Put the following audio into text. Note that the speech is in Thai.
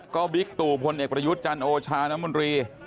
ก็บิคตู้ธุ์พลเอกพระยุทธ์จังโอชานบรี